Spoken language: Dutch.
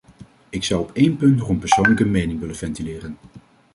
Ik zou op één punt nog een persoonlijke mening willen ventileren.